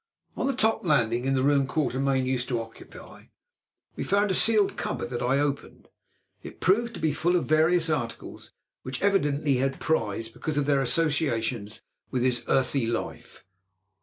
On the top landing, in the room Quatermain used to occupy, we found a sealed cupboard that I opened. It proved to be full of various articles which evidently he had prized because of their associations with his early life.